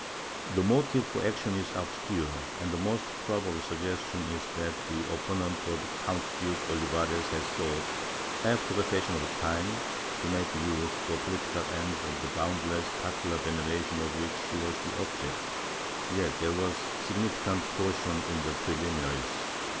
The motive for action is obscure, and the most probable suggestion is that the opponents of Count Duke Olivares had sought, after the fashion of the time, to make use, for political ends, of the boundless popular veneration of which she was the object. Yet there was significant caution in the preliminaries.